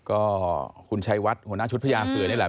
ก็คุณชัยวัดหัวหน้าชุดพญาเสือนี่แหละ